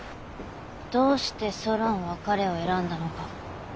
どうしてソロンは彼を選んだのか。